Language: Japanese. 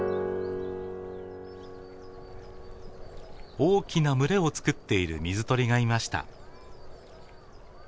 大きな群れをつくっている水鳥がいました。